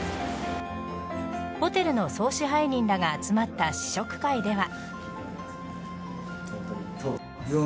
ホテルの総支配人らが集まった試食会では。